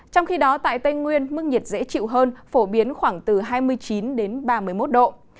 trong khi đó tại tây nguyên mức nhiệt dễ chịu hơn phổ biến khoảng từ hai mươi chín đến ba mươi một độ